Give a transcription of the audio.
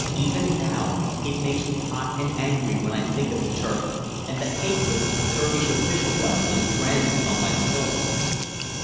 Even now it makes me hot and angry when I think of the Turk, and the hatred of Turkish officialdom is branded on my soul.